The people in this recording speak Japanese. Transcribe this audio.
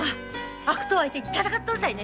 悪党相手に戦っとるたいね。